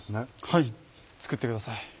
はい作ってください。